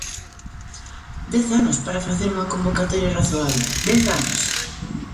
¡Dez anos para facer unha convocatoria razoable, dez anos!